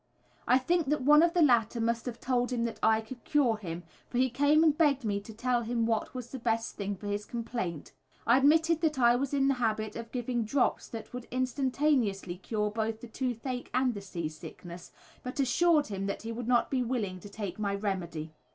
I think that one of the latter must have told him that I could cure him, for he came and begged me to tell him what was the best thing for his complaint. I admitted that I was in the habit of giving drops that would instantaneously cure both the toothache and the sea sickness, but assured him that he would not be willing to take my remedy.